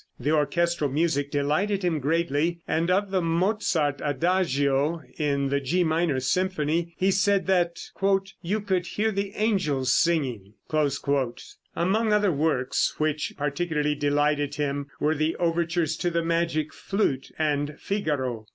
The orchestral music delighted him greatly, and of the Mozart adagio, in the G minor symphony, he said that "you could hear the angels singing." Among other works which particularly delighted him were the overtures to the "Magic Flute" and "Figaro."